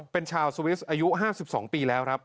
เป็นชาวสวิสอายุ๕๒ปีแล้วครับ